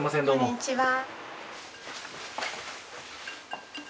こんにちは。